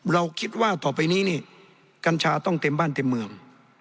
เราคิดว่าต่อไปนี้นี่กัญชาต้องเต็มบ้านเต็มเมือง